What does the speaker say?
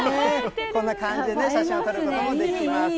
こんな感じでね、写真を撮ることもできます。